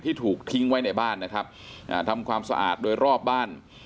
ถูกทิ้งไว้ในบ้านนะครับอ่าทำความสะอาดโดยรอบบ้าน